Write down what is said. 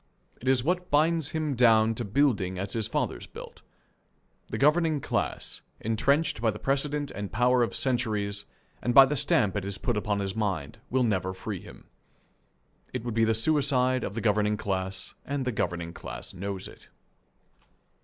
It is what binds him down to building as his fathers built. The governing class, entrenched by the precedent and power of centuries and by the stamp it has put upon his mind, will never free him. It would be the suicide of the governing class, and the governing class knows it.